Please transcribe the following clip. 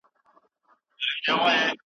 ایا تاسي غواړئ چې زما سره په ټیم کې اوسئ؟